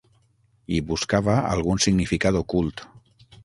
Hi buscava algun significat ocult.